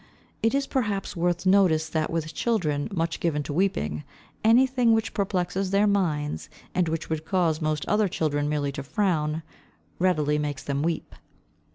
It is perhaps worth notice that with children much given to weeping, anything which perplexes their minds, and which would cause most other children merely to frown, readily makes them weep.